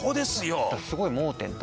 すごい盲点。